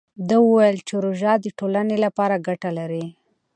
ده وویل چې روژه د ټولنې لپاره ګټه لري.